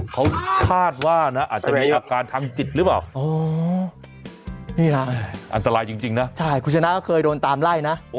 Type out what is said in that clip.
เขาคาดว่านะอาจจะมีอาการทางจิตหรือเปล่านี่นะอันตรายจริงนะใช่คุณชนะก็เคยโดนตามไล่นะ